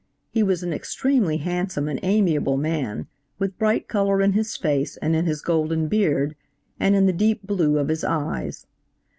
He was an extremely handsome and amiable man with bright color in his face and in his golden beard, and in the deep blue of his eyes.